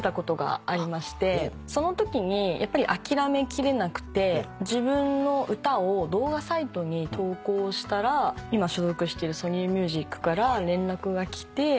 そのときにやっぱり諦めきれなくて自分の歌を動画サイトに投稿したら今所属しているソニーミュージックから連絡が来て。